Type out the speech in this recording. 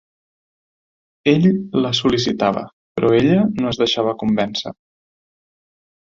Ell la sol·licitava, però ella no es deixava convèncer.